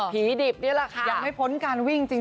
ผีดิบนี่แหละค่ะอยากให้พ้นการวิ่งจริง